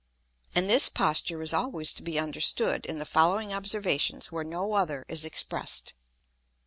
And this Posture is always to be understood in the following Observations where no other is express'd.